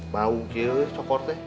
bau gitu cokor deh